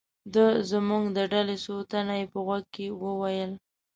د زموږ د ډلې څو تنه یې په غوږ کې و ویل.